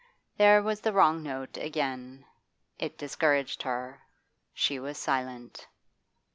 There was the wrong note again. It discouraged her; she was silent.